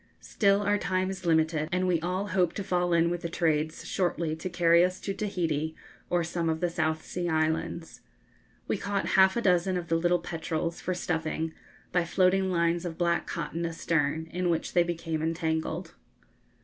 Still, our time is limited, and we all hope to fall in with the trades shortly to carry us to Tahiti or some of the South Sea islands. We caught half a dozen of the little petrels, for stuffing, by floating lines of black cotton astern, in which they became entangled.